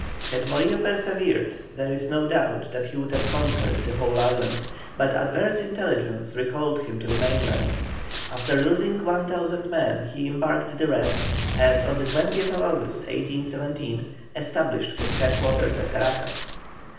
Had Morillo persevered there is no doubt that he would have conquered the whole island, but adverse intelligence recalled him to the mainland. After losing 1,000 men he re embarked the rest, and on the 20th August, 1817, established his head quarters at Caracas.